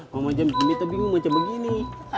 mama jempol bingung macam begini